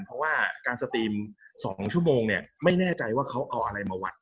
เพราะว่าการสตรีม๒ชั่วโมงเนี่ยไม่แน่ใจว่าเขาเอาอะไรมาวัด